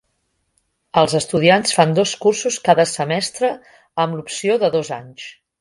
Els estudiants fan dos cursos cada semestre amb l'opció de dos anys.